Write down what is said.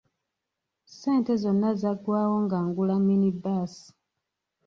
Ssente zonna zaggwawo ng'agula mini-baasi.